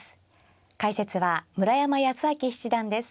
解説は村山慈明七段です。